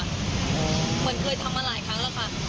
เหมือนเคยทำมาหลายครั้งแล้วค่ะ